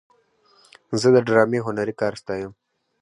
زه د ډرامې هنري کار ستایم.